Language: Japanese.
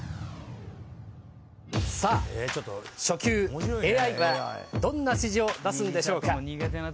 さあ初球ＡＩはどんな指示を出すんでしょうか？